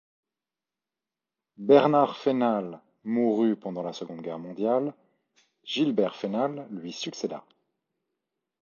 Bernard Fénal mourut pendant la Seconde Guerre mondiale, Gilbert Fénal lui succéda.